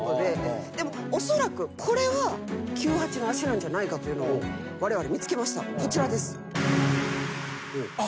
でもおそらくこれはキュウハチの足なんじゃないかというのをわれわれ見つけましたこちらです。